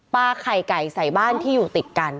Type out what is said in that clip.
ไข่ไก่ใส่บ้านที่อยู่ติดกัน